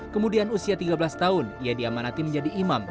kemudian usia tiga belas tahun ia diamanati menjadi imam